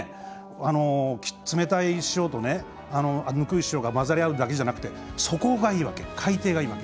冷たい潮とぬくい潮が混ざり合うだけじゃなくて底がいいわけ、海底がいいわけ。